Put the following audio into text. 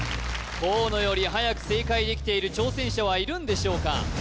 河野よりはやく正解できている挑戦者はいるんでしょうか